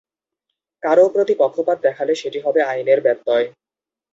কারও প্রতি পক্ষপাত দেখালে সেটি হবে আইনের ব্যত্যয়।